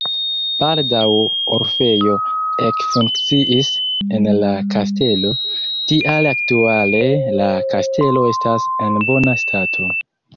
Baldaŭ orfejo ekfunkciis en la kastelo, tial aktuale la kastelo estas en bona stato.